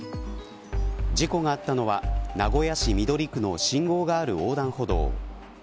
事故があったのは名古屋市緑区の信号がある横断歩道。